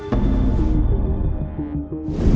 ini sama ya tulisannya